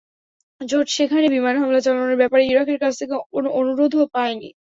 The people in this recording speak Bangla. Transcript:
জোট সেখানে বিমান হামলা চালানোর ব্যাপারে ইরাকের কাছ থেকে কোনো অনুরোধও পায়নি।